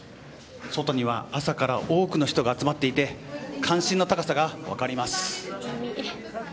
外には朝から多くの人が集まっていて関心の高さが分かります。